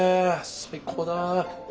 最高だ。